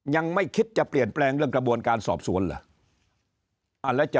ยังไม่คิดจะเปลี่ยนแปลงเรื่องกระบวนการสอบสวนเหรอ